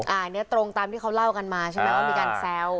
อันนี้ตรงตามที่เขาเล่ากันมาใช่ไหมว่ามีการแซว